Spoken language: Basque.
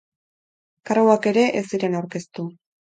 Karguak ere ez ziren aurkeztu.